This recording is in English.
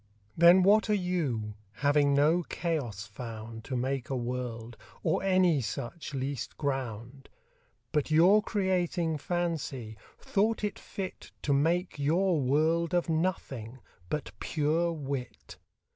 Then what are You, having no Chaos found To make a World, or any such least ground? But your Creating Fancy, thought it fit To make your World of Nothing, but pure Wit.